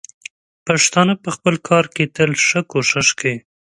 پښتانه په خپل کار کې تل ښه کوښښ کوي.